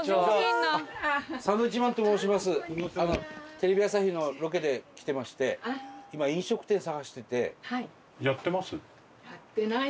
テレビ朝日のロケで来てまして今飲食店探してて。